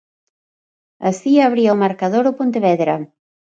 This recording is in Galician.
Así abría o marcador o Pontevedra.